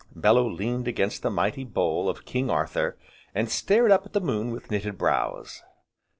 Bellew leaned against the mighty bole of "King Arthur," and stared up at the moon with knitted brows.